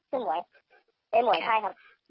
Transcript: เจ๊หมวยใช่ครับ